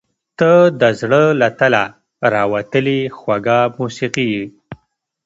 • ته د زړه له تله راوتلې خوږه موسیقي یې.